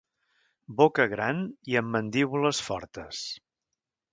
Boca gran i amb mandíbules fortes.